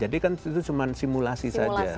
jadi kan itu cuma simulasi saja